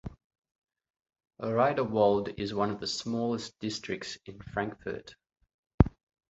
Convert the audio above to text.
Riederwald is one of the smallest districts in Frankfurt.